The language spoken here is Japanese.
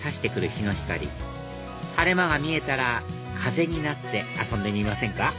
日の光晴れ間が見えたら風になって遊んでみませんか？